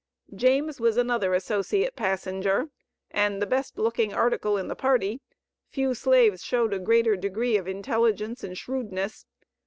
James was another associate passenger, and the best looking "article" in the party; few slaves showed a greater degree of intelligence and shrewdness.